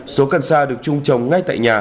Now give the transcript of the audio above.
số cần xa được trung trồng ngay tại nhà